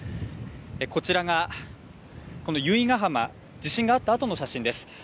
こちらが由比ガ浜、地震があったあとの写真です。